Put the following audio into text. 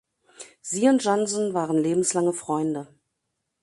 Sie und Johnson waren lebenslange Freunde.